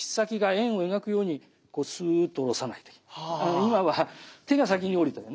今は手が先に下りてるね。